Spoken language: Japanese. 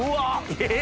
えっ？